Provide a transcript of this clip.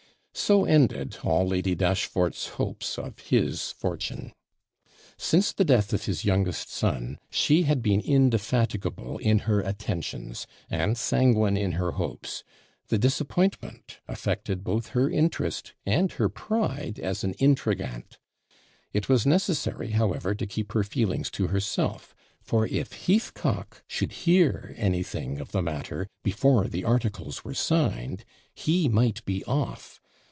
So ended all Lady Dashfort's hopes of his fortune. Since the death of his youngest son, she had been indefatigable in her attentions, and sanguine in her hopes; the disappointment affected both her interest and her pride, as an INTRIGANTE. It was necessary, however, to keep her feelings to herself; for if Heathcock should hear anything of the matter before the articles were signed, he might 'be off!'